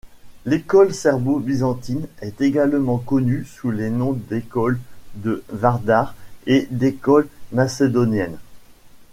L'école serbo-byzantine est également connue sous les noms d'école de Vardar et d'école macédonienne.